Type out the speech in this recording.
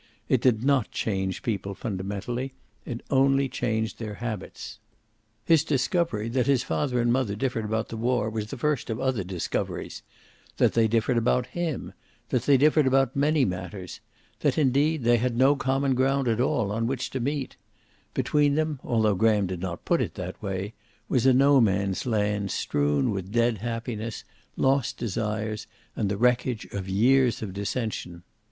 It did not change people fundamentally. It only changed their habits. His discovery that his father and mother differed about the war was the first of other discoveries; that they differed about him; that they differed about many matters; that, indeed, they had no common ground at all on which to meet; between them, although Graham did not put it that way, was a No Man's Land strewn with dead happiness, lost desires, and the wreckage of years of dissension.